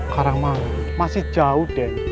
karangmangu masih jauh den